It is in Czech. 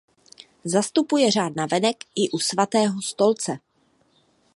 Zastupuje řád navenek i u Svatého stolce.